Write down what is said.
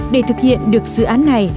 để thực hiện được dự án này